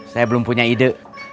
saya belum punya ide